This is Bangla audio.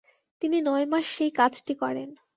তিনি নয় মাস সেই কাজটি করেন।